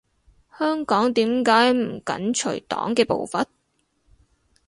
香港點解唔緊隨黨嘅步伐？